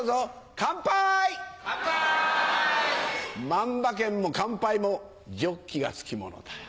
万馬券も乾杯もジョッキが付きものだよ。